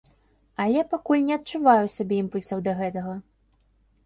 Але пакуль не адчуваю ў сабе імпульсаў да гэтага.